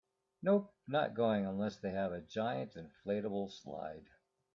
Nope, not going unless they have a giant inflatable slide.